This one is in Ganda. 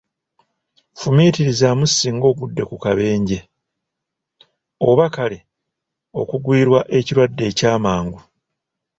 Fumiitirizaamu singa ogudde ku kabenje, oba kale okugwirwa ekirwadde ekyamangu!